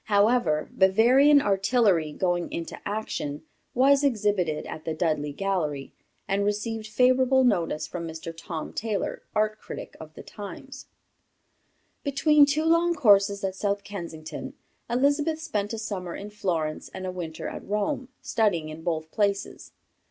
However, "Bavarian Artillery going into Action" was exhibited at the Dudley Gallery, and received favorable notice from Mr. Tom Taylor, art critic of the Times. Between two long courses at South Kensington Elizabeth spent a summer in Florence and a winter at Rome, studying in both places.